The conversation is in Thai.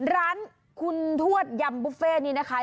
ร้านคุณทวดยำบุฟเฟ่นี่นะคะ